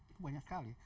itu banyak sekali